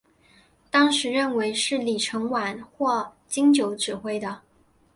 当时认为是李承晚或金九指挥的。